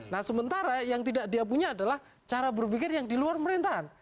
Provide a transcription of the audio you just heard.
nah sementara yang tidak dia punya adalah cara berpikir yang di luar pemerintahan